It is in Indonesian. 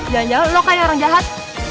jangan jangan lo kayak orang jahat